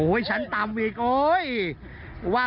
กระทั่งตำรวจก็มาด้วยนะคะ